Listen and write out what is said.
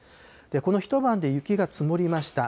この一晩で雪が積もりました。